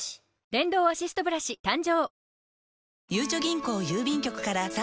電動アシストブラシ誕生！